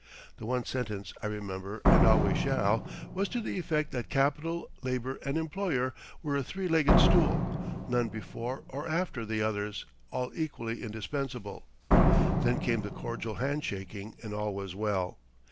The one sentence I remember, and always shall, was to the effect that capital, labor, and employer were a three legged stool, none before or after the others, all equally indispensable. Then came the cordial hand shaking and all was well.